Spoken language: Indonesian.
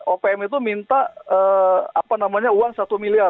opm itu minta apa namanya uang satu miliar